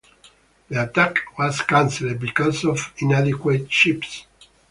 The attack was cancelled because of inadequate ships.